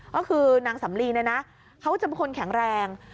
ก็คือนางสำลีเนี่ยนะเขาจะเป็นคนแข็งแรง